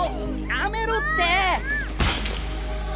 やめろって！